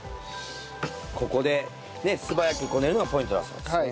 ここでね素早くこねるのがポイントだそうですね。